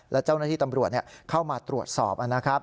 และเจ้าหน้าที่ตำรวจเข้ามาตรวจสอบนะครับ